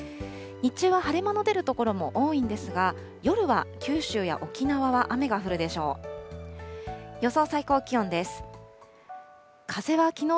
日中は晴れ間の出る所も多いんですが、夜は九州や沖縄は雨が降るでしょう。